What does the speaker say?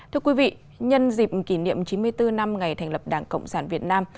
thưa quý vị nhân dịp kỷ niệm chín mươi bốn năm ngày thành lập đảng cộng sản việt nam